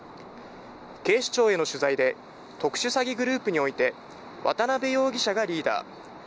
警視庁への取材で、特殊詐欺グループにおいて渡辺容疑者がリーダー。